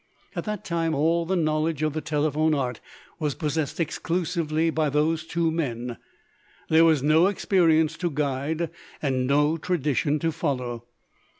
At that time all the knowledge of the telephone art was possessed exclusively by those two men. There was no experience to guide and no tradition to follow.